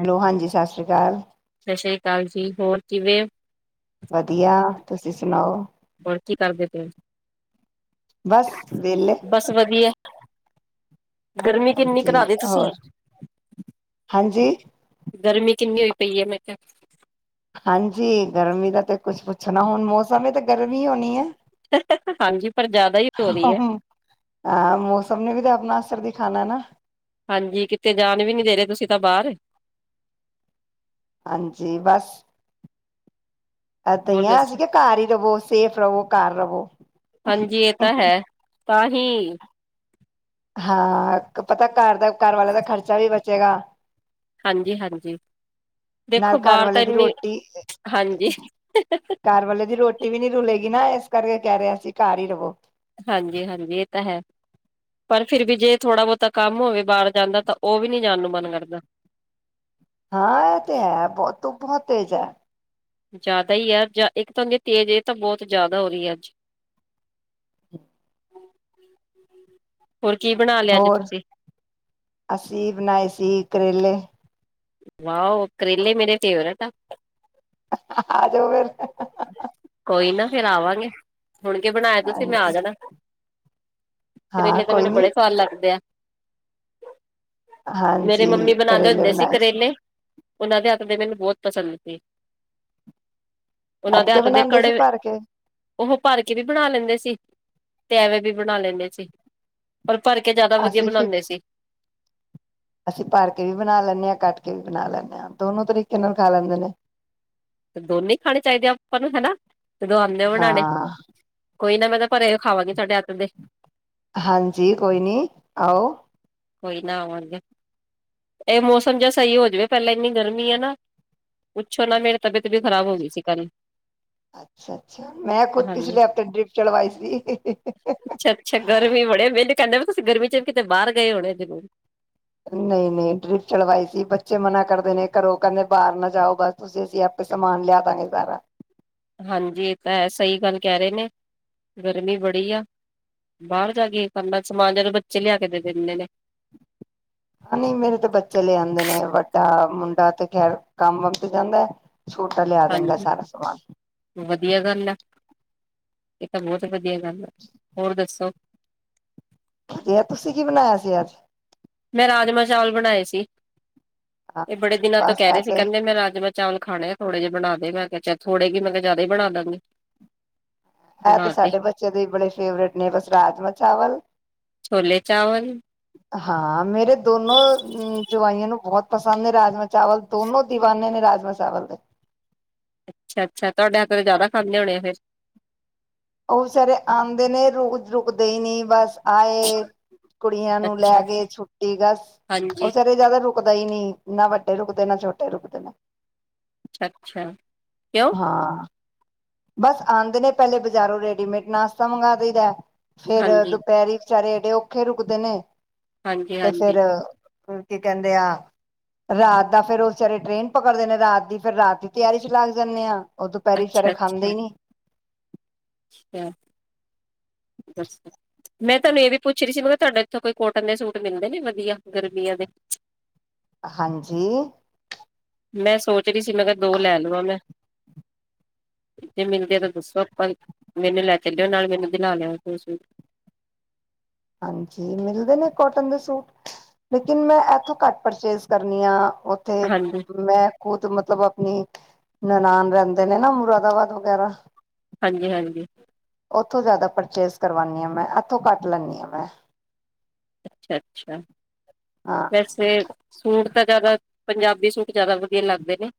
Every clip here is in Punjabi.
ਹੈਲੋ ਹਾਂਜੀ। ਸਤਿ ਸ਼੍ਰੀ ਅਕਾਲ। ਸਤਿ ਸ੍ਰੀ ਅਕਾਲ ਜੀ ਹੋਰ ਕਿਵੇਂ। ਵਧੀਆ ਤੁਸੀਂ ਸੁਣਾਓ। ਹੋਰ ਕੀ ਕਰਦੇ ਪ ਬਸ ਵਿਹਲੇ ਬਸ ਵਧੀਆ ਗਰਮੀ ਕਿੰਨੀ ਹਾਂਜੀ ਘਾ ਦੀ ਤੁਸੀਂ ਹੋਰ ਹਾਂਜੀ ਗਰਮੀ ਕਿੰਨੀ ਹੋ ਪਈ ਐ ਮੈਂ ਕਿਹਾ ਹਾਂਜੀ ਗਰਮੀ ਦਾ ਤੇ ਕੁਛ ਪੁੱਛਣਾ ਹੁਣ ਮੌਸਮ ਤਾਂ ਗਰਮੀ ਹੋਣੀ ਹੈ ਹਾਂਜੀ ਪਰ ਜ਼ਿਆਦਾ ਹੀ ਹੋ ਰਹੀ ਹੈ। ਹਾਂ ਮੌਸਮ ਨੇ ਵੀ ਤਾਂ ਆਪਣਾ ਅਸਰ ਦੇਖਿਆ ਖਣਾ ਨਾ ਹਾਂਜੀ ਕਿਤੇ ਜਾਣ ਵੀ ਨੀ ਦੇ ਰਹੇ ਤੁਸੀਂ ਤਾਂ ਬਾਹਰ ਹਾਂਜੀ ਬਸ ਆਹ ਤ ਹੋਰ ਆ ਦੱਸੋ ਅਸੀਂ ਕਿ ਘਰ ਹੀ ਰਵੋ ਸੇਫ ਰਵੋ ਘਰ ਰਵੋ ਨਹੀਂਹੀ ਹਾਂ ਪਤਾ ਘਰ ਦਾ ਘਰ ਵਾਲਿਆਂ ਦਾ ਖਰਚਾ ਵੀ ਬਚੇਗਾ ਹਾਂਜੀ ਹਾਂਜੀ ਨਾਲ ਦੇਖੋ ਘਰ ਬਾਹਰ ਤਾਂ ਵਾਲੇ ਦੀ ਇੰਨੀ ਰੋਟੀ ਹਾਂਜੀ ਘਰ ਵਾਲੇ ਦੀ ਰੋਟੀ ਵੀ ਨੀ ਰੁਲੇਗੀ ਨਾ ਇਸ ਕਰਕੇ ਕਹਿ ਰਿਹਾ ਸੀ ਘਰ ਹੀ ਰਵੋ ਹਾਂਜੀ ਹਾਂਜੀ ਇਹ ਤਾਂ ਹੈ ਪਰ ਫਿਰ ਵੀ ਜੇ ਥੋੜ੍ਹਾ ਬਹੁਤਾ ਕੰਮ ਹੋਵੇ ਬਾਹਰ ਜਾਂਦਾ ਤਾਂ ਉਹ ਵੀ ਨੀ ਜਾਣ ਨੂੰ ਮਨ ਕਰਦਾ ਹਾਂ ਇਹ ਤੇ ਹੈ ਬਹੁ ਤ ਬਹੁਤ ਤੇਜ਼ ਹੈ ਜ਼ਿਆਦਾ ਹੀ ਯਾਰ ਇੱਕ ਤਾਂ ਹੁੰਦੀ ਤੇਜ਼ ਇਹ ਤਾਂ ਬਹੁਤ ਜ਼ਿਆਦਾ ਹੋ ਰਹੀ ਹੈ ਅੱਜ ਹੋਰ ਕੀ ਬਣਾ ਲਿਆ ਅੱਜ ਹੋਰ ਤੁਸੀਂ? ਅਸੀਫ ਨਾਇਸੀਕ ਕਰੇਲੇ ਵਾਓ! ਕਰੇਲੇ ਮੇਰੇ ਫੇਵਰੇਟ ਆ। ਆ ਜਾਓ ਫਿਰ ਕੋਈ ਨਾ ਫੇਰ ਆਵਾਂਗੇ, ਹੁਣ ਕੇ ਬਣਾਇਆ ਤੁਸੀਂ ਮੈਂ ਆ ਹਾਂਜੀ ਜਾਣਾ। ਹਾਂ ਕਰੇਲੇ ਤਾਂ ਕੋਈ ਮੈਨੂੰ ਨੀ ਬੜੇ ਸਵਾਦ ਲੱਗਦੇ ਆ। ਮੇਰੇ ਹਾਂਜੀ ਮੰਮੀ ਬਣਾਉਂਦੇ ਕਰੇਲੇ ਹੁੰਦੇ ਸੀ ਬਣਾ ਕਰੇਲੇ ਉਹਨਾਂ ਦੇ ਹੱਥ ਦੇ ਮੈਨੂੰ ਬਹੁਤ ਪਸੰਦ ਸੀ। ਉਹਨਾਂ ਕੱਟ ਦੇ ਕੇ ਹੱਥ ਦੇ ਬਣਾਉਂਦੇ ਸੀ ਕੜੇ, ਭਰ ਕੇ ਉਹ ਭਰ ਕੇ ਵੀ ਬਣਾ ਲੈਂਦੇ ਸੀ। ਤ ਐਵੇਂ ਵੀ ਬਣਾ ਲੈਂਦੇ ਸੀ। ਪਰ ਭਰ ਕੇ ਜਿਆਦਾ ਵਧੀਆ ਅਸੀਂ ਫਿਰ ਬਣਾਉਂਦੇ ਸੀ ਅਸੀਂ ਭਰ ਕੇ ਵੀ ਬਣਾ ਲੈਣੇ ਆ, ਕੱਟ ਕੇ ਵੀ ਬਣਾ ਲੈਨੇ ਆ, ਦੋਨੋ ਤਰੀਕੇ ਨਾਲ ਖਾ ਲੈਂਦੇ ਨੇ। ਦੋਨੇ ਖਾਣੇ ਚਾਹੀਦੇ ਆ ਆਪਾਂ ਨੂੰ ਹੈਨਾ। ਜਦੋਂ ਆਉਂਦੇ ਓ ਬਣਾਣੇ। ਹਾਂ ਕੋਈ ਨਾ ਮੈਂ ਤਾਂ ਭਰੇ ਹੋਏ ਖਾਵਾਂਗੀ ਤੁਹਾਡੇ ਹੱਥ ਦੇ। ਹਾਂਜੀ ਕੋਈ ਨੀ ਆਓ। ਕੋਈ ਨਾ ਆਵਾਂਗੇ ਇਹ ਮੌਸਮ ਜ ਸਹੀ ਹੋ ਜਾਵੇ ਪਹਿਲਾਂ ਇੰਨੀ ਗਰਮੀ ਆ ਨਾ ਪੁੱਛੋ ਨਾ ਮੇਰੀ ਤਬੀਅਤ ਵੀ ਖ਼ਰਾਬ ਹੋ ਗਈ ਸੀ ਕਲ। ਅੱਛਾ ਅੱਛਾ ਮੈਂ ਖੁਦ ਹਾਂਜੀ ਪਿਛਲੇ ਹਫ਼ਤੇ ਡਰਿਪ ਚਲਵਾਈ ਸੀ। ਅੱਛਾ ਅੱਛਾ ਗਰਮੀ ਬੜੇ ਮੈਨੂੰ ਕਹਿੰਦੇ ਵੀ ਤੁਸੀਂਰਮੀ ਚ ਵੀ ਕਿਤੇ ਬਾਹਰ ਗ ਹੋਣੇ ਜ਼ਰੂਰ ਨਹੀਂ ਨਹੀਂ ਡਰਿਪ ਚੜਵਾਈ ਸੀ ਬੱਚੇ ਮਨਾ ਕਰਦੇ ਨੇ ਘਰੋਂ ਕਹਿੰਦੇ ਬਾਹਰ ਨਾ ਜਾਓ ਬਸ ਤੁਸੀਂ ਅਸੀਂ ਆਪੇ ਸਮਾਨ ਲਿਆ ਦਾਂਗੇ ਸਾਰਾ। ਹਾਂਜੀ ਇਹ ਤਾਂ ਹੈ ਸਹੀ ਗੱਲ ਕਹਿ ਰਹੇ ਨੇ ਗਰਮੀ ਬੜੀ ਆ, ਬਾਹਰ ਜਾ ਕੇ ਕਰਨਾ ਸਮਾਨ ਜਦੋਂ ਬੱਚੇ ਲਿਆ ਕੇ ਦੇ ਦੇ ਦਿੰਦੇ ਨੇ। ਨਹੀਂ ਮੇਰੇ ਡਾ ਤੇ ਖੈਰ ਕੰਮ ਮੁੱਕ ਜਾਂਦਾ ਏ ਛੋਟਾ ਲਿਆ ਦਿਂਦਾ ਹੈ ਹਾਂਜੀ ਸਾਰਾ ਸਮਾਨ। ਵਧੀਆ ਗੱਲ ਇਹ ਤਾਂ ਬਹੁਤ ਵਧੀ ਵਧੀਆ ਗੱਲ ਹੋਰ ਦੱਸੋ, ਤੁਸੀਂ ਕੀ ਬਣਾਇਆ ਸੀ ਅੱਜ। ਮੈਂ ਰਾਜਮਾਂ ਚਾਵਲ ਬਣਾਏ ਸੀ। ਹਾਂ ਇਹ ਬੜੇ ਦਿਨਾਂ ਤੋਂ ਬਸ ਕਹਿ ਇਹ ਰਹੇ ਸੀ ਤੇ ਕਹਿੰਦੇ ਮੈਂ ਰਾਜਮਾ ਚਾਵਲ ਖਾਣੇ ਆ ਥੋੜੇ ਜਿਹੇ ਬਣਾ ਦੇ ਮੈਂ ਕਿਹਾ ਥੋੜੇ ਜ ਮੈਂ ਕਿਹਾ ਜ਼ਿਆਦਾ ਹੀ ਬਣਾ ਦਾਂਗੀ। ਇਹ ਤੇ ਸਾਡੇ ਬੱਚੇ ਦੇ ਬੜੇ ਫੇਵਰੇਟ ਨੇ ਬਸ ਰਾਜਮਾਂ ਚਾਵਲ ਛੋਲੇ ਚਾਵਲ ਹਾਂ ਮੇਰੇ ਦੋਨੋ ਜਵਾਈਆਂ ਨੂੰ ਬਹੁਤ ਪਸੰਦ ਨੇ ਰਾਜਮਾਂ ਚਾਵਲ ਦੋਨੋ ਦੀਵਾਨੇ ਨੇ ਰਾਜਮਾਂ ਚਾਵਲ ਦੇ। ਅੱਛਾ ਅੱਛਾ ਤੁਹਾਡੇ ਹੱਥੋਂ ਤਾਂ ਜ਼ਿਆਦਾ ਖਾਂਦੇ ਹੋਣੇ ਆ ਫਿਰ। ਉਹ ਵਿਚਾਰੇ ਆਉਂਦੇ ਨੇ ਰੋਜ਼ ਰੁਕਦੇ ਹੀ ਨਹੀਂ ਬਸ ਆਏ ਕੁੜੀਆਂ ਨੂੰ ਅੱਛਾ ਲੈਗੇ ਛੁੱਟੀ ਬਸ ਹਾਂਜੀ ਉਹ ਸਾਰੇ ਜਿਆਦਾ ਰੁਕ ਪਤਾ ਹੀ ਨਹੀਂ ਨਾ ਵੱਡੇ ਰੁਕਦੇ ਨਾ ਛੋਟੇ ਰੁਕਦੇ ਨੇ। ਅੱਛਾ ਕਿਉਂ ਹਾਂ ਬਸ ਆਉਂਦੇ ਨੇ ਪਹਿਲੇ ਬਜ਼ਾਰੋਂ ਰੈਡੀਮੇਡ ਨਾਸ਼ਤਾ ਮੰਗਵਾ ਦਈਦਾ ਫੇਰ ਹਾਂਜੀ ਦੁਪਹਿਰੀ ਵਿਚਾਰੇ ਏਡੇ ਔਖੇ ਰੁਕਦੇ ਨੇ। ਹਾਂਜੀ ਤੇ ਹਾਂਜੀ ਫੇਰ ਕੀ ਕਹਿੰਦੇ ਆ ਰਾਤ ਦਾ ਫੇਰ ਉਹ ਵਿਚਾਰੇ ਟ੍ਰੇਨ ਪਕੜਦੇ ਨੇ ਰਾਤ ਦੀ ਫਿਰ ਰਾਤ ਦੀ ਤਿਆਰੀ ਚ ਲੱਗ ਜਾਂਦੇ ਆ। ਉਹ ਦੁਪਹਿਰੀ ਆਦੇ ਨੀ ਅਛਾ [inaudible] ਮੈਂ ਤੁਹਾਨੂੰ ਇਹ ਵੀ ਪੁੱਛ ਰਹੀ ਸੀ, ਮੈਂ ਕਿਹਾ ਤੁਹਾਡੇ ਇੱਥੋਂ ਕੋਈ ਕੋਟਨ ਦੇ ਸੂਟ ਮਿਲਦੇ ਨੇ ਵਧੀਆ ਗਰਮੀਆਂ ਦੇ। ਹਾਂਜੀ ਮੈਂ ਸੋਚ ਰਹੀ ਸੀ ਮੈਂ ਕਿਹਾ ਦੋ ਲੈ ਲਵਾਂ ਮੈਂ ਜੇ ਮਿਲਦੇ ਤਾਂ ਦੱਸੋ ਆਪਾਂ। ਮੈਨੂੰ ਲੈ ਚੱਲਿਓ ਨਾਲ ਮੈਨੂੰ ਦਿਲਾ ਲਿਆ ਕੋਈ ਸੂਟ ਹਾਂਜੀ ਮਿਲਦੇ ਨੇ ਕੋਟਨ ਦੇ ਸੂਟ ਲੇਕਿਨ ਮੈਂ ਇਥੋਂ ਘੱਟ ਪਰਚੇਸ ਕਰਨੀ ਆ। ਉੱਥੇ ਹਾਂਜੀ ਮੈਂ ਖੁਦ ਮ ਮਤਲਬ ਆਪਣੀ ਨਨਾਣ ਰਹਿੰਦੇ ਨੇ ਨਾ ਮੁਰਾਦਾਬਾਦ ਵਗੈਰਾ ਹਾਂਜੀ ਹਾਂਜੀ ਉ ਓਥੋਂ ਜ਼ਿਆਦਾ ਪਰਚੇਜ ਕਰਵਾਉਨਦੀ ਆ ਮੈਂ ਇੱਥੋਂ ਘੱਟ ਲੈਂਦੀ ਹ ਮੈਂ ਅੱਛਾ ਅੱਛਾ ਹਾਂ ਵੈਸੇ ਸੂਟ ਤਾਂ ਜਿਆਦਾ ਪੰਜਾਬੀ ਸੂਟ ਜ਼ਿਆਦਾ ਵਧੀਆ ਲੱਗਦੇ ਨੇ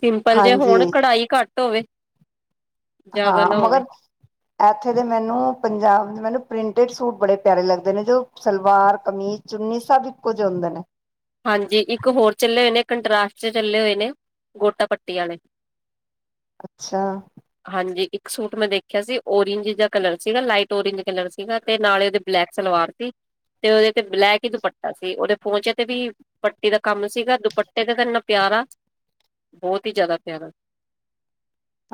ਸਿੰਪਲ ਜੇ ਹਾਂਜੀ ਹੋਣ ਕਢਾਈ ਘੱਟ ਹੋਵੇ ਜ਼ਿਆਦਾ ਹਾਂ ਨਾ ਹੋਵੇ ਮਗਰ ਇੱਥੇ ਦੇ ਮੈਨੂੰ ਪੰਜਾਬ ਮੈਨੂੰ ਪ੍ਰਿੰਟਡ ਸੂਟ ਬੜੇ ਪਿਆਰੇ ਲੱਗਦੇ ਨੇ ਜੋ ਸਲਵਾਰ ਕਮੀਜ਼ ਚੁੰਨੀ ਸਭ ਇਕੋ ਜਿਹੇ ਹੁੰਦੇ ਨੇ ਹਾਂਜੀ ਇੱਕ ਹੋਰ ਚੱਲੇ ਹੋਏ ਨੇ ਕੰਟਰਾਸ਼ਟ ਚੱਲੇ ਹੋਏ ਨੇ ਗੋਟਾ ਪੱਟੀ ਵਾਲੇ ਅੱਛਾ ਹਾਂਜੀ ਇੱਕ ਸੂਟ ਮੈਂ ਦੇਖਿਆ ਸੀ ਔਰਇੰਜ ਦਾ ਕਲਰ ਸੀਗਾ ਲਾਈਟ ਓਰੇਂਜ ਕਲਰ ਸੀਗਾ ਤੇ ਨਾਲੇ ਉਹਦੇ ਬਲੈਕ ਸਲਵਾਰ ਸੀ ਤੇ ਉਹਦੇ ਤੇ ਬਲੈਕ ਹੀ ਦੁਪੱਟਾ ਸੀ ਉਹਦੇ ਪੋਚੇ ਤੇ ਵੀ ਪੱਟੀ ਦਾ ਕੰਮ ਸੀਗਾ ਦੁਪੱਟੇ ਤੇ ਤਾਂ ਇੰਨਾ ਪਿਆਰਾ ਬਹੁਤ ਹੀ ਜ਼ਿਆਦਾ ਪਿਆਰਾ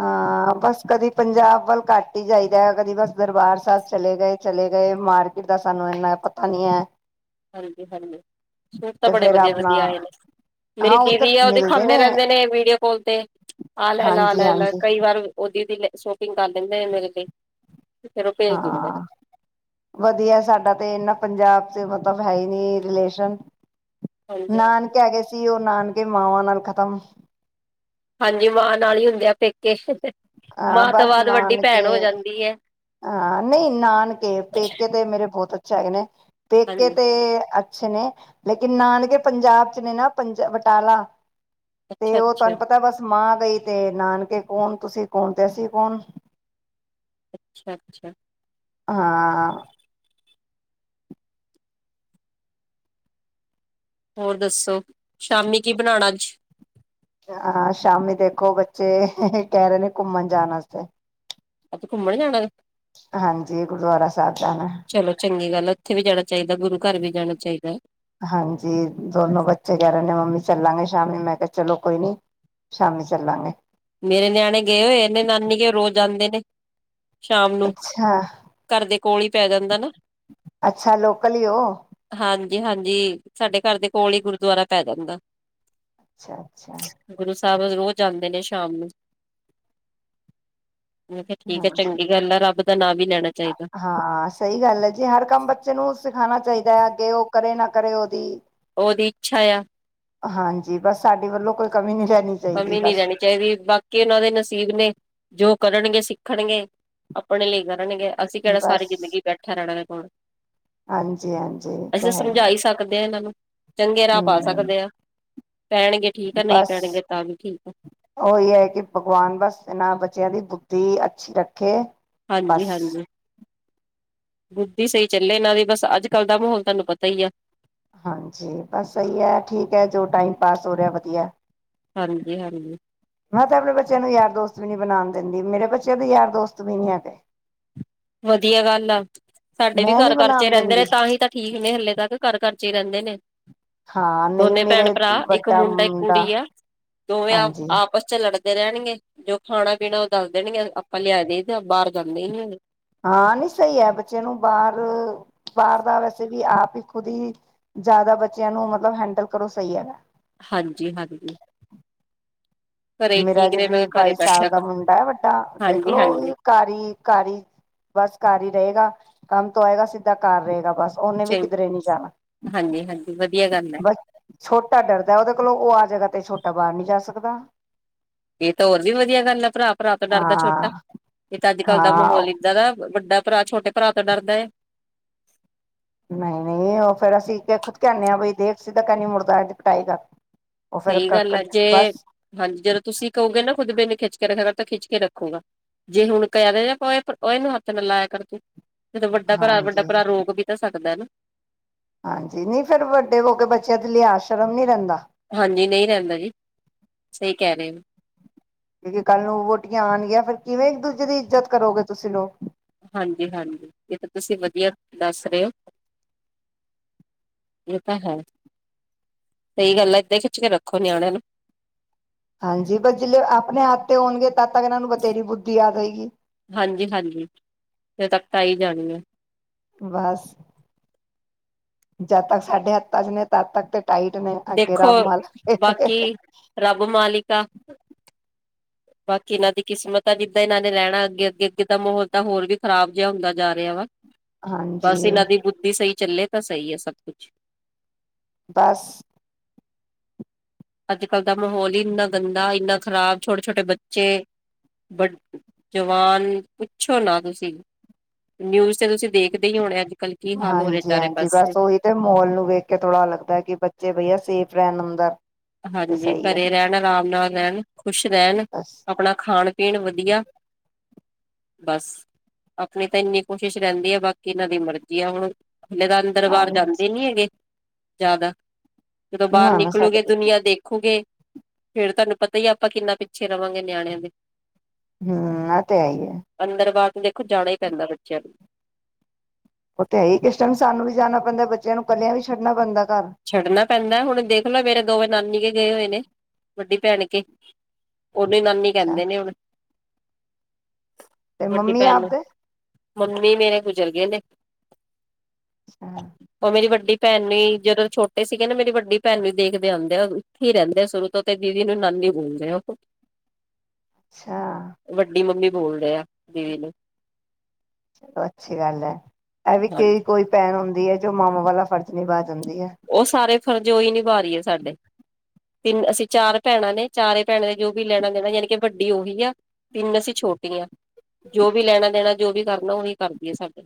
ਹਾਂ ਬਸ ਕਦੀ ਪੰਜਾਬ ਵੱਲ ਘੱਟ ਹੀ ਜਾਈਦਾ ਕਦੀ ਬਸ ਦਰਬਾਰ ਸਾਹਿਬ ਚਲੇ ਗਏ ਚਲੇ ਗਏ ਮਾਰਕੀਟ ਦਾ ਸਾਨੂੰ ਇੰਨਾ ਪਤਾ ਨਹੀਂ ਹੈ ਹਾਂਜੀ ਹਾਂਜੀ ਸੂਟ ਤਾਂ ਤੇ ਬੜੇ ਫੇਰ ਵਧੀਆ ਆਪਣਾ ਵਧੀਆ ਆਏ ਨੇ ਹਾਂ ਮੇਰੀ ਉੱਧਰ ਦੀਦੀ ਆ ਉਹ ਮਿਲਦੇ ਦਿਖਾਂਦੇ ਰਹਿੰਦੇ ਨੇ ਵੀਡੀਓ ਕਾਲ ਤੇ ਆ ਹਾਂਜੀ ਲੈ ਲਾ ਹਾਂਜੀ ਕਈ ਵਾਰ ਓਹਦੀ ਦੀ ਸ਼ੋਪਿੰਗ ਕਰ ਲੈਂਦੇ ਆ ਮੇਰੇ ਤੇ ਹਾਂ ਵਧੀਆ ਸਾਡਾ ਤੇ ਐਨਾ ਪੰਜਾਬ ਚ ਮਤਲਬ ਹੈ ਹੀ ਨੀ ਰਿਲੇਸ਼ਨ ਹਾਂਜੀ ਨਾਨਕ ਹੈ ਗਏ ਸੀ ਉਹ ਨਾਨਕੇ ਮਾਵਾਂ ਨਾਲ ਖਤਮ ਹਾਂਜੀ ਮਾਂ ਨਾਲ ਹੀ ਹੁੰਦੇ ਆ ਪੇਕੇ ਤੇ ਅਹ ਮਾਂ ਤੋਂ ਬਸ ਬਾਅਦ ਵੱਡੀ ਭੈਣ ਹੋ ਨਾਨਕੇ ਜਾਂਦੀ ਹੈ ਹਾਂ ਨਹੀਂ ਨਾਨਕੇ ਪੇਕੇ ਤੇ ਮੇਰੇ ਬਹੁਤ ਅੱਛਾ ਹੈਗੇ ਨੇ ਪੇਕੇ ਹਾਂਜੀ ਤੇ ਅੱਛੇ ਨੇ ਲੇਕਿਨ ਨਾਨਕੇ ਪੰਜਾਬ ਚ ਨੇ ਨਾ ਪੰਜ ਬਟਾਲਾ ਅੱਛਾ ਤੇ ਉਹ ਅੱਛਾ ਤੁਹਾਨੂੰ ਪਤਾ ਬਸ ਮਾਂ ਬਈ ਤੇ ਨਾਨਕੇ ਕੌਣ ਤੁਸੀਂ ਕੌਣ ਤੇ ਅਸੀਂ ਕੌਣ ਅੱਛਾ ਅੱਛਾ ਹਾਂ ਹੋਰ ਦੱਸੋ ਸ਼ਾਮੀ ਕੀ ਬਣਾਣਾ ਅੱਜ ਹਾਂ ਸ਼ਾਮੀ ਦੇਖੋ ਬੱਚੇ ਕਹਿ ਰਹੇ ਨੇ ਘੁੰਮਣ ਜਾਣ ਵਾਸਤੇ ਅੱਛਾ ਘੁੰਮਣ ਜਾਣਾ ਹਾਂਜੀ ਗੁਰਦੁਆਰਾ ਸਾਹਿਬ ਜਾਣਾ ਚਲੋ ਚੰਗੀ ਗੱਲ ਆ ਉੱਥੇ ਵੀ ਜਾਣਾ ਚਾਹੀਦਾ ਗੁਰੂ ਘਰ ਵੀ ਜਾਣਾ ਚਾਹੀਦਾ ਹੈ ਹਾਂਜੀ ਦੋਨੋ ਬੱਚੇ ਕਹਿ ਰਹੇ ਨੇ ਮੰਮੀ ਚੱਲਾਂਗੇ ਸ਼ਾਮੀ ਮੈਂ ਕਿਹਾ ਚਲੋ ਕੋਈ ਨੀ ਸ਼ਾਮੀ ਚੱਲਾਂਗੇ ਮੇਰੇ ਨਿਆਣੇ ਗਏ ਹੋਏ ਇਹਨੇ ਨਾਨੀ ਕੇ ਰੋਜ਼ ਜਾਂਦੇ ਨੇ ਸ਼ਾਮ ਨੂੰ ਅੱਛਾ ਘਰ ਦੇ ਕੋਲੀ ਹੀ ਪੈ ਜਾਂਦਾ ਨਾ ਅੱਛਾ ਲੋਕਲ ਹੀ ਹੋ ਹਾਂਜੀ ਹਾਂਜੀ ਸਾਡੇ ਘਰ ਦੇ ਕੋਲ ਹੀ ਗੁਰਦੁਆਰਾ ਪੈ ਜਾਂਦਾ। ਅੱਛਾ, ਅੱਛਾ। ਸਭ ਰੋਜ਼ ਜਾਂਦੇ ਨੇ ਸ ਸ਼ਾਮ ਨੂੰ ਮੈਂ ਕਿਹਾ ਠੀਕ ਹੈ ਹਾਂਜੀ ਚੰਗੀ ਗੱਲ ਆ ਰੱਬ ਦਾ ਨਾਂ ਵੀ ਲੈਣਾ ਚਾਹੀਦਾ। ਹਾਂ ਸਹੀ ਗੱਲ ਹੈ ਜੀ, ਹਰ ਕੰਮ ਬੱਚੇ ਨੂੰ ਸਿਖਾਣਾ ਚਾਹੀਦਾ ਹੈ ਅੱਗੇ ਉਹ ਕਰੇ ਨਾ ਕਰੇ ਉਹਦੀ ਉਹਦੀ ਇੱਛਾ ਆ। ਹਾਂਜੀ ਬਸ ਸਾਡੇ ਵੱਲੋਂ ਕੋਈ ਕਮੀ ਨੀ ਰਹਿਣੀ। ਚਾਹੀਦੀ ਕਮੀ ਨੀ ਬਸ ਰਹਿਣੀ ਚਾਹੀਦੀ ਬਾਕੀ ਉਹਨਾਂ ਦੇ ਨਸੀਬ ਨੇ ਜੋ ਕਰਨਗੇ ਸਿੱ ਖਣਗੇ ਆਪਣੇ ਲਈ ਕਰਨਗੇ। ਅਸੀਂ ਕਿਹੜਾ ਸਾਰੀ ਜ਼ਿੰਦਗੀ ਬੈਠਿਆ ਰਹਿਣਾ। ਹੂੰ, ਹਾਂਜੀ-ਹਾਂਜੀ ਉਹ ਤਾ ਹੈ ਹੀ। ਸਮਝਾ ਸਕਦੇ ਹਾਂ ਇਹਨਾਂ ਨੂੰ ਚੰਗੇ ਰਾਹ ਪਾ ਹਮ ਸਕਦੇ ਆਂ। ਪੈਣਗੇ ਠੀਕ ਆ ਨਹੀਂ ਬਸ ਪੈਣਗੇ ਵੀ ਠੀਕ ਆ ਉਹੀ ਹੈ ਕਿ ਭਗਵਾਨ ਬਸ ਇਹਨਾਂ ਬੱਚਿਆਂ ਦੀ ਦੀ ਅੱਛੀ ਲਗ ਕੇ ਹਾਂਜੀ ਬਸ ਹਾਂਜੀ ਬੁੱਧੀ ਸਹੀ ਚੱਲੇ ਇਹਨਾਂ ਦੀ ਬਸ ਅੱਜ- ਕੱਲ੍ਹ ਦਾ ਮਾਹੌਲ ਤੁਹਾਨੂੰ ਪਤਾ ਹੀ ਆ। ਹਾਂਜੀ ਬਸ ਸਹੀ ਹੈ ਠੀਕ ਹੈ, ਜੋ ਟਾਈਮ ਪਾਸ ਹੋ ਰਿਹਾ ਵਧੀਆ। ਹਾਂਜੀ-ਹਾਂਜੀ। ਮੈਂ ਤੇ ਆਪਣੇ ਬੱਚਿਆਂ ਨੂੰ ਯਾਰ ਦੋਸਤ ਵੀ ਨੀ ਬਣਾਣ ਦਿੰਦੀ ਮੇਰੇ ਬੱਚੇ ਦੇ ਯਾਰ ਦੋਸਤ ਵੀ ਨੀ ਹੈਗੇ। ਵਧੀਆ ਗੱਲ ਆ ਸਾਡੇ ਵੀ ਮੈਂ ਨੀ ਘਰ ਘਰ ਚੇ ਬਣਾਉਣ ਰਹਿੰਦੇ ਨੇ ਦਿੰਦੀ ਤਾਂ ਹੀ ਤਾਂ ਠੀਕ ਨੇ ਹਲੇ ਤੱਕ ਘਰ ਘਰ ਘਰ ਚੇ ਰਹਿੰਦੇ ਨੇ। ਹਾਂ ਨਹੀਂ ਦੋਨੇ ਭੈਣ ਮੇਰੇ ਭਰਾ ਇੱਕ ਵੱਡਾ ਮੁੰਡਾ ਇੱਕ ਕੁੜੀ ਆ ਦੋਵੇਂ ਹਾਂਜੀ ਆਪਸ ਚ ਲੜ ਰਹਿਣਗੇ ਜੋ ਖਾਣਾ ਪੀਣਾ ਉਹ ਦੱਸ ਦੇਣਗੇ, ਆਪਾਂ ਲਿਆ ਦੇਈ ਦਾ ਬਾਹਰ ਜਾਂਦੇ ਹੀ ਨਹੀਂ। ਹਾਂ ਨੀ ਸਹੀ ਹੈ ਬੱਚਿਆਂ ਨੂੰ ਬਾਹਰ- ਬਾਹਰ ਦਾ ਵੈਸੇ ਵੀ ਆਪ ਹੀ ਖੁਦ ਹੀ ਜ਼ਿਆਦਾ ਬੱਚਿਆਂ ਨੂੰ ਮਤਲਬ ਹੈਂਡਲ ਕਰੋ ਸਹੀ ਹੈਗਾ। ਹਾਂਜੀ- ਹਾਂਜੀ। ਘਰੇ ਮੇਰਾ ਠੀਕ ਜੀ ਰਹੇ ਮੈਂ ਵੀਹ ਕਿਹਾ ਘਰੇ ਬਾਈ ਸਾਲ ਬੈਠਿਆ ਦਾ ਕਰੋ ਮੁੰਡਾ ਹੈ ਵੱਡਾ ਹਾਂਜੀ ਦੇਖਲੋ ਵੀ ਹਾਂਜੀ ਘਰ ਈ ਘਰ ਈ ਬਸ ਘਰ ਈ ਰਹੇਗਾ। ਕੰਮ ਤੋਂ ਆਏਗਾ ਸਿੱਧਾ ਘਰ ਰਹੇਗਾ ਬਸ। ਉਹਨੇ ਵੀ ਚੰ ਕਿਧਰੇ ਨੀ ਜਾਣਾ, ਹਾਂਜੀ ਹਾਂਜੀ ਵਧੀਆ ਗੱਲ ਹੈ ਬਸ ਛੋਟਾ ਡਰਦਾ ਉਹਦੇ ਕੋਲੋਂ ਉਹ ਆ ਜਗ੍ਹਾ ਤੇ ਛੋ ਛੋਟਾ ਬਾਹਰ ਨੀ ਜਾ ਸਕਦਾ। ਇਹ ਤਾਂ ਹੋਰ ਵੀ ਵਧੀਆ ਗੱਲ ਹੈ ਭਰਾ-ਭਰਾ ਤੋਂ ਡਰਦਾ ਛੋਟਾ, ਹਾਂ ਇਹ ਤਾਂ ਅੱਜ-ਕੱਲ ਦਾ ਹਾਂ ਮਾਹੌਲ ਇਦਾਂ ਦਾ ਵੱਡਾ ਭਰਾ ਛੋਟੇ ਭਰਾ ਤੋਂ ਡਰਦਾ ਹੈ। ਨਹੀਂ ਨਹੀਂ ਉਹ ਫੇਰ ਅਸੀਂ ਖੁਦ ਕਹਨੇ ਹਾਂ ਬਈ ਦੇਖ ਸਿੱਧਕ ਏ ਨਹੀ ਮੁੜਦਾ ਏਦੀ ਪਿਟਾਈ ਕਰ। ਉਹ ਫੇਰ ਸਹੀ ਗੱਲ ਹੈ ਜੇ ਬਸ ਹਾਂਜੀ ਜਦੋਂ ਤੁਸੀਂ ਕਹੋਗੇ ਨਾ ਖੁਦ ਬਿਨ ਖਿੱਚ ਰੱਖਿਆ ਕਰ ਤਾਂ ਖਿੱਚ ਕੇ ਰੱਖੂਗਾ ਜੇ ਹੁਣ ਕਹਦੇ ਉਹ ਇਹਨੂੰ ਹੱਥ ਨਾਲ ਲਾਇਆ ਕਰ ਤੂੰ। ਜਦੋਂ ਵੱਡਾ ਭਰਾ ਵੱਡਾ ਹਾਂਜੀ ਭਰਾ ਰੋਕ ਵੀ ਤਾਂ ਸਕਦਾ ਹੈ ਨਾ। ਹਾਂਜੀ ਨਹੀਂ ਫੇਰ ਵੱਡੇ ਹੋ ਕੇ ਬੱਚਿਆਂ ਚ ਲਿਆਜ ਸ਼ਰਮ ਨੀ ਰਹਿੰਦਾ। ਕਹ ਰਹੇ ਨੇ। ਕਿਉਂਕਿ ਕੱਲ ਨੂੰ ਵੋਟੀਆਂ ਆਉਣਗੀਆਂ ਫਿਰ ਕਿਵੇਂ ਇੱਕ ਦੂਜੇ ਦੀ ਇੱਜਤ ਕਰੋਗੇ ਤੁਸੀਂ ਲੋਗ। ਹਾਂਜੀ ਹਾਂਜੀ ਇਹ ਤਾਂ ਤੁਸੀਂ ਵਧੀਆ ਦੱਸ ਰਹੇ ਹੋ। ਇਹ ਤਾਂ ਹੈ, ਸਹੀ ਗੱਲ ਹੈ ਏਦਾਂ ਖਿੱਚ ਕੇ ਰੱਖੋ ਨਿਆਣਿਆਂ ਨੂੰ। ਹਾਂਜੀ ਪਰ ਜਿਲੇ ਆਪਣੇ ਹੱਥ ਤੇ ਹੋਣਗੇ ਤਥ ਤਕ ਇਹਨਾਂ ਨੂੰ ਬਥੇਰੀ ਬੁੱਧੀ ਆ ਗਈ। ਹੂੰ ਹਾਂਜੀ ਹਾਂਜੀ ਔਦੋ ਤੱਕ ਆਈ ਜਾਣੀ ਹੈ। ਬਸ ਜਦ ਤੱਕ ਸਾਡੇ ਹੱਥਾਂ ਚ ਨੇ ਤਦ ਤੱਕ ਤੇ ਟਾਈਟ ਨੇ ਅੱਗੇ ਦੇਖੋ ਰੱਬ ਬਾਕੀ ਮਾਲਕ ਰੱਬ ਮਾਲਿਕ ਆ। ਬਾਕੀ ਇਹਨਾਂ ਦੀ ਕਿਸਮਤ ਆ ਜਿੱਦਾਂ ਇਹਨਾਂ ਨੇ ਰਹਿਣਾ ਅੱਗੇ ਅੱਗੇ ਅੱਗੇ ਦਾ ਮਾਹੌਲ ਤਾਂ ਹੋਰ ਵੀ ਖ਼ਰਾਬ ਜਿਹਾ ਹੁੰਦਾ ਜਾ ਰਿਹਾ ਵਾ। ਬਸ ਹਾਂਜੀ ਇਹ ਨ ਦੀ ਬੁੱਧੀ ਸਹੀ ਚੱਲੇ, ਤਾਂ ਸਹੀ ਹੈ ਸਭ ਕੁਛ। ਬਸ ਅੱਜ ਕੱਲ ਦਾ ਮਾਹੌਲ ਹੀ ਇੰਨਾ ਗੰਦਾ ਇੰਨਾ ਖ਼ਰਾਬ ਛੋਟੇ ਛੋਟੇ ਬੱਚੇ ਜਵਾਨ ਪੁੱਛੋ ਨਾ ਤੁਸੀਂ ਨਿਊਜ਼ ਤੇ ਤੁਸੀਂ ਦੇਖਦੇ ਹੀ ਹੋਣੇ ਅੱਜ ਕੱਲ ਕੀ ਹਾਲ ਹੋ ਰਿਹਾ ਹਾਂਜੀ ਚਾਰੇ ਹਾਂਜੀ ਪਾਸੇ ਬਸ ਉਹੀ ਤੇ ਮਾਹੋਲ ਨੂੰ ਵੇਖ ਕੇ ਥੋੜਾ ਲੱਗਦਾ ਕਿ ਬੱਚੇ ਵਈਆ ਸੇਫ ਵਹਿਮ ਹੁੰਦਾ। ਹਾਂਜੀ ਘਰੇ ਰਹਿਣ ਆਰਾਮ ਨਾਲ ਰਹਿਣ ਖ਼ੁਸ਼ ਰਹਿਣ ਬਸ ਆਪਣਾ ਖਾਣ ਪੀਣ ਵਧੀਆ। ਬਸ ਆਪਣੀ ਤਾਂ ਇੰਨੀ ਕੋਸ਼ਿਸ਼ ਰਹਿੰਦੀ ਆ, ਬਾਕੀ ਇਹਨਾਂ ਦੀ ਮਰਜ਼ੀ ਆ ਹੁਣ। ਹਲੇ ਤਾਂ ਅੰਦਰ ਬਾਹਰ ਜਾਂਦੇ ਨੀ ਹੈਗੇ। ਜ਼ਿਆਦਾ ਜਦੋਂ ਬਾਹਰ ਨਾ ਨਾ ਸਾਡੇ ਨਿਕਲੋਗੇ ਬੱਚੇ ਦੁਨੀਆਂ ਦੇਖੋਗੇ। ਫੇਰ ਤੁਹਾਨੂੰ ਪਤਾ ਹੀ ਆਪਾਂ ਕਿੰਨਾ ਪਿੱਛੇ ਰਵਾਂਗੇ ਨਿਆਣਿਆਂ ਦੇ। ਹੂੰ ਆ ਤੇ ਹੈਈ ਹੈ। ਅੰਦਰ ਬਾਹਰ ਦੇਖੋ ਜਾਣਾ ਹੀ ਪੈਂਦਾ ਬੱਚਿਆਂ ਨੂੰ ਉਹ ਤੇ ਹੈ ਹੀ ਕਿਸ ਟਾਈਮ ਸਾਨੂੰ ਵੀ ਜਾਣਾ ਪੈਂਦਾ ਬੱਚਿਆਂ ਨੂੰ ਕੱਲਿਆਂ ਵੀ ਛੱਡਣਾ ਪੈਂਦਾ। ਘਰ ਛੱਡਣਾ ਪੈਂਦਾ ਹੁਣ ਦੇਖ ਲੋ ਮੇਰੇ ਦੋਵੇਂ ਨਾਨੀ ਗਏ ਹੋਏ ਨੇ ਵੱਡੀ ਭੈਣ ਕੇ। ਉਨ ਹੀ ਨਾਨੀ ਅੱਛਾ ਕਹਿੰਦੇ ਨੇ ਹੁਣ। ਤੇ ਵੱਡੀ ਮੰਮੀ ਭੈਣ ਨੂੰ ਆਪਦੇ। ਮੰਮੀ ਮੇਰੇ ਗੁਜ਼ਰ ਗਏ ਨੇ। ਅੱਛਾ ਉਹ ਮੇਰੀ ਵੱਡੀ ਭੈਣ ਨੇ ਹੀ ਜਦੋਂ ਛੋਟੇ ਸੀਗੇ ਨਾ ਮੇਰੀ ਵੱਡੀ ਭੈਣ ਵੀ ਦੇਖਦੇ ਆਦੇ ਆ ਉੱਥੇ ਹੀ ਰਹਿੰਦੇ ਆ ਸ਼ੁਰੂ ਤੋਂ ਤੇ ਦੀਦੀ ਨੂੰ ਨਾਨੀ ਬੋਲਦੇ ਆ ਉਹ। ਅੱਛਾ। ਵੱਡੀ ਮੰਮੀ ਬੋਲਦੇ ਆ ਦੀਦੀ ਨੂੰ। ਅੱਛੀ ਗੱਲ ਹੈ ਇਹ ਵੀ ਹਾਂਜੀ ਕਈ ਕੋਈ ਭੈਣ ਹੁੰ ਹੈ ਜੋ ਮਾਵਾਂ ਵਾਲਾ ਫ਼ਰਜ਼ ਨਿਭਾ ਦੀ ਹੈ। ਫਰਜ ਓਹੀ ਨਿਭਾ ਰਹੀ ਹੈ ਸਾਡੇ ਤਿੰਨ ਅਸੀਂ ਚਾਰ ਭੈਣਾਂ ਨੇ ਚਾਰੇ ਭੈਣਾਂ ਨੇ ਜੋ ਵੀ ਲੈਣਾ ਦੇਣਾ ਯਾਨੀ ਕਿ ਵੱਡੀ ਉਹੀ ਆ ਤਿੰਨ ਅਸੀਂ ਛੋਟੀ ਆ ਜੋ ਵੀ ਲੈਣਾ ਦੇਣਾ ਜੋ ਵੀ ਕਰਨਾ ਉਹੀ ਕਰਦੀ ਹੈ ਸਾਡੇ।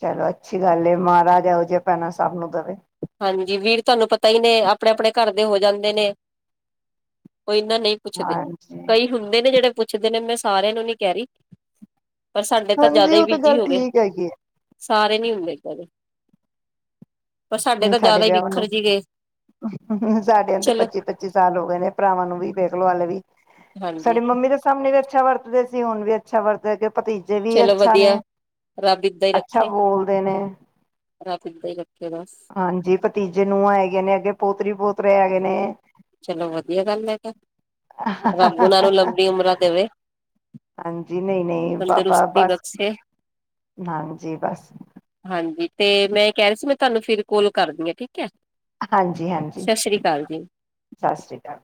ਚਲੋ ਅੱਛੀ ਗੱਲ ਏ ਮਹਾਰਾਜ ਇਹੋ ਜਿਆਂ ਭੈਣਾਂ ਸਭ ਨੂੰ ਦਵੇ। ਹਾਂਜੀ ਵੀਰ ਤੁਹਾਨੂੰ ਪਤਾ ਹੀ ਨੇ ਆਪਣੇ-ਆਪਣੇ ਘਰ ਦੇ ਹੋ ਜਾਂਦੇ ਨੇ। ਉਹ ਇਨਾਂ ਨਹੀਂ ਪੁੱਛਦੇ ਹਾਂਜੀ ਕਈ ਹੁੰਦੇ ਨੇ ਜਿਹੜੇ ਪੁੱਛਦੇ ਨੇ ਮੈਂ ਸਾਰਿਆਂ ਨੂੰ ਨੀ ਕਹਿ ਰਹੀ। ਪਰ ਸਾਡੇ ਜ਼ਿਆਦਾ ਹਾਂਜੀ ਹੀ ਉਹ ਤਾਂ ਬਿਜੀ ਗੱਲ ਹੋ ਗਏ ਠੀਕ ਹੈਗੀ ਏ। ਸਾਰੇ ਨੀ ਹੁੰਦੇ ਇਦਾਂ ਦੇ। ਪਰ ਤਾਂ ਸਾਡੇ ਜ਼ਿਆਦਾ ਹੀ ਵਿਆਹ ਨੂੰ, ਬਿਖਰ ਜੀ ਗਏ ਸਾਡੇ ਤੇ ਚਲੋ ਪੱਚੀ-ਪੱਚੀ ਸਾਲ ਹੋ ਗਏ ਨੇ ਭਰਾਵਾਂ ਨੂੰ ਵੀ। ਵੇਖਲੋ ਆਲੇ ਵੀ ਹਾਂਜੀ ਸਾਡੀ ਮੰਮੀ ਦੇ ਸਾਮਣੇ ਵੀ ਅ ਅੱਛਾ ਵਰਤਦੇ ਸੀ ਹੁਣ ਵੀ ਅੱਛਾ ਵਰਤੇ ਗੇ। ਭਤੀਜੇ ਵੀ ਚਲੋ ਅੱਛਾ ਨੇ ਵਧੀਆ ਰੱਬ ਏਦਾਂ ਹੀ ਅੱਛਾ ਰੱਖੇ ਬੋਲਦੇ ਨੇ। ਰੱਬ ਇਦਾਂ ਹੀ ਰ ਹਾਂਜੀ ਭਤੀਜੇ ਨੂੰਆ ਹੈਗੀਆਂ ਨੇ ਅੱਗੇ ਪੁਤਰੀ ਪੋਤਰੇ ਹੈਗੇ ਨੇ ਚਲੋ ਵਧੀਆ ਗੱਲ ਹੈ ਤਾਂ ਰੱਬ ਉਹਨਾਂ ਨੂੰ ਲੰਬੀ ਉਮਰਾਂ ਦੇਵੇ ਹਾਂਜੀ ਨਹੀਂ-ਨਹੀਂ ਬਾਬਾ ਤੰਦਰੁਸਤੀ ਬਸ ਬਖਸ਼ੇ ਹਾਂਜੀ ਬਸ। ਹਾਂਜੀ ਤੇ ਮੈਂ ਕਹਿ ਰਹੀ ਸੀ ਮੈਂ ਤੁਹਾਨੂੰ ਫਿਰ ਕੋਲ ਕਰਦੀ ਹਾਂ ਠੀਕ ਹੈ। ਹਾਂਜੀ-ਹਾਂਜੀ। ਸਤਿ ਸ੍ਰੀ ਅਕਾਲ ਜੀ। ਸਤਿ ਸ਼੍ਰੀ ਅਕਾਲ।